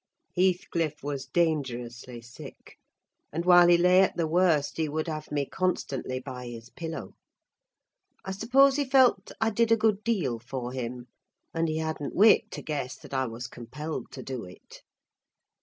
Heathcliff was dangerously sick; and while he lay at the worst he would have me constantly by his pillow: I suppose he felt I did a good deal for him, and he hadn't wit to guess that I was compelled to do it.